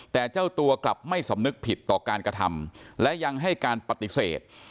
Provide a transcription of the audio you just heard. แต่เจ้าตัวกลับไม่สำนึกผิดต่อการกระทำและยังให้การปฏิเสธ